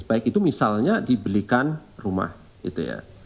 baik itu misalnya dibelikan rumah gitu ya